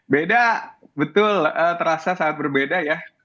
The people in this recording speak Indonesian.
beda betul terasa sangat berbeda ya